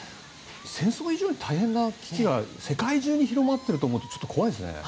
戦争以上に大変な危機が世界中に広がっていると思うと怖いですね。